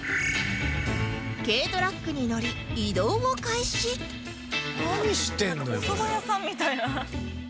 軽トラックに乗り移動を開始なんかおそば屋さんみたいな。